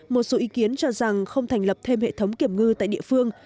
một số ý kiến cho rằng không thành lập thêm hệ thống kiểm ngư tại địa phương